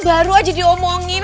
baru aja diomongin